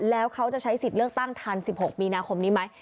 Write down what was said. แล้วเขาจะใช้สิทธิ์เลือกตั้งทัน๑๖มีนาคมนี้ไหม